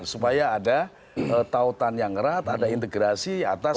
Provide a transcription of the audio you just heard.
supaya ada tautan yang erat ada integrasi atas